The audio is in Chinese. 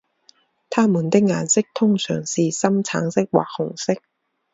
它们的颜色通常是深橙色或红色。